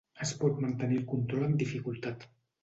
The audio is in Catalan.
Es pot mantenir el control amb dificultat.